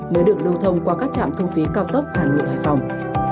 mới được lưu thông qua các trạm thu phí cao tốc hà nội hải phòng